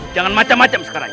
jangan macam macam sekarang